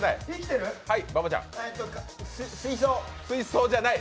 水槽じゃない。